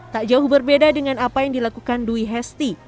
tak jauh berbeda dengan apa yang dilakukan dwi hesti